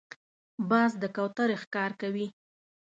باز د کوترې ښکار کوي